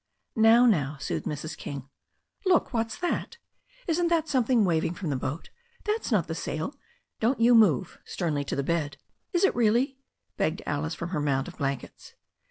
"Now, now," soothed Mrs. King. "Look, what's that? Isn't that something waving from the boat? That's not the sail. Don't you move," sternly to the bed. 'Is it really?" begged Alice from her mound of blankets.